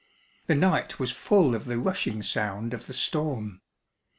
The night was full of the rushing sound of the storm.